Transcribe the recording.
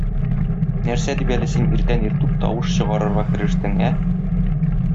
Нәрсә дип әле син иртән-иртүк тавыш чыгарырга керештең, ә?!